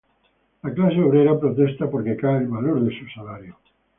La clase obrera protesta porque cae el valor de su salario.